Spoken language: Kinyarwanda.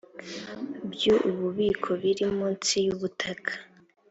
byu ububiko biri munsi y ubutaka